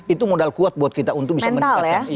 itu modal kuat untuk kita